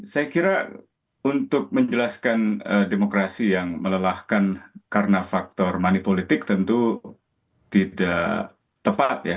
saya kira untuk menjelaskan demokrasi yang melelahkan karena faktor money politik tentu tidak tepat ya